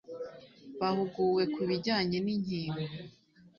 bahuguwe ku bijyanye n'inkingo